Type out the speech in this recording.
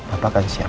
apa kan siap